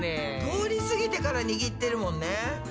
通りすぎてから握ってるもんね。